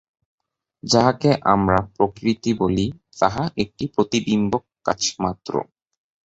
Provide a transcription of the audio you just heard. যাহাকে আমরা প্রকৃতি বলি, তাহা একটি প্রতিবিম্বক কাঁচ মাত্র।